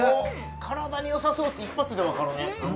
体によさそうって一発でわかるね